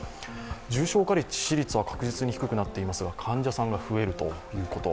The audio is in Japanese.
重症化率、致死率は確実に低くなっていますが、患者さんが増えるということ。